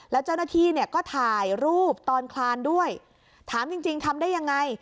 แล้วเจ้าหน้าที่เนี่ยก็ถ่ายรูปตอนคลานด้วยถามจริงจริงทำได้ยังไง